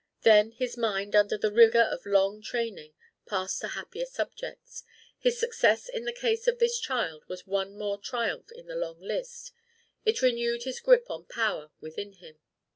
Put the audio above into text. Then his mind under the rigor of long training passed to happier subjects. His success in the case of this child was one more triumph in his long list; it renewed his grip on power within him.